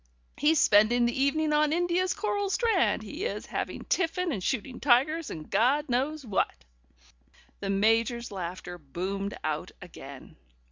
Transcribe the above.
He's spending the evening on India's coral strand, he is, having tiffin and shooting tigers and Gawd knows what '" The Major's laughter boomed out again.